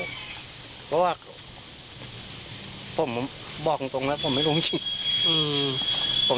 เพราะว่าผมบอกตรงแล้วผมไม่รู้จริง